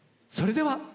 それでは。